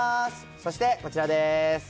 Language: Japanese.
そしてこちらでーす。